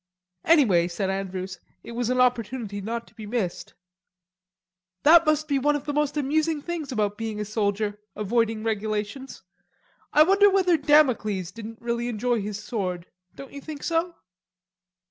"Anyway," said Andrews, "it was an opportunity not to be missed." "That must be one of the most amusing things about being a soldier, avoiding regulations. I wonder whether Damocles didn't really enjoy his sword, don't you think so?"